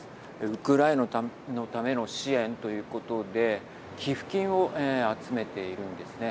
ウクライナのための支援ということで寄付金を集めているんですね。